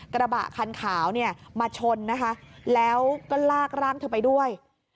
กระบะคันขาวเนี่ยมาชนนะคะแล้วก็ลากร่างเธอไปด้วย